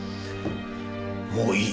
もういい。